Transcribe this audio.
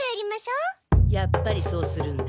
やっぱりそうするんだ。